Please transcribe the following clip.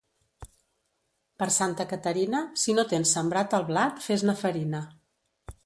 Per Santa Caterina, si no tens sembrat el blat, fes-ne farina.